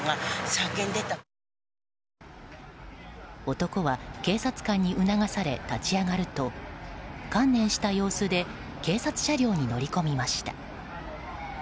男は警察官に促され立ち上がると観念した様子で警察車両に乗り込みました。